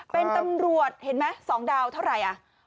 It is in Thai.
เป็นตำรวจเห็นไหม๒ดาวเท่าไหร่อ่ะ